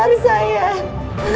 biar saya menjalani hukuman pak